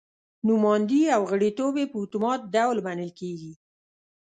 نوماندي او غړیتوب یې په اتومات ډول منل کېږي.